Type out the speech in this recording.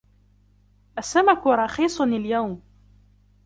السمك رخيص اليوم.